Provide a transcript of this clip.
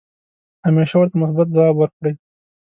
همیشه ورته مثبت ځواب ورکړئ .